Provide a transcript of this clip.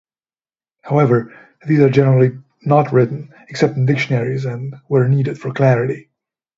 However, these are generally not written, except in dictionaries and where needed for clarity.